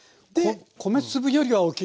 米粒よりは大きいけどね。